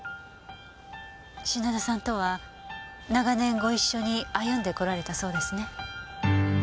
品田さんとは長年ご一緒に歩んでこられたそうですね。